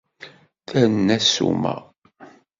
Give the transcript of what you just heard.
Terna ssuma.